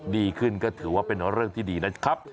ดีขึ้นก็ถือว่าเป็นเรื่องที่ดีนะครับ